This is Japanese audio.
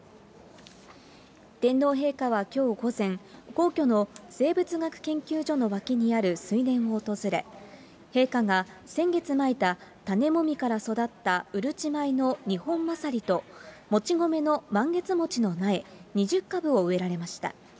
天皇陛下はきょう午前、皇居の生物学研究所の脇にある水田を訪れ、陛下が先月まいた種もみから育ったうるち米のニホンマサリと、もち米のマンゲツモチの苗２０株を植えられました。